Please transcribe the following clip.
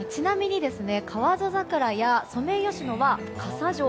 ちなみに河津桜やソメイヨシノは傘状。